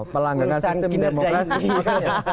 pelangganan sistem demokrasi